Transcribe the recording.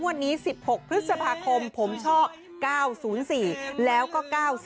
วันนี้๑๖พฤษภาคมผมชอบ๙๐๔แล้วก็๙๔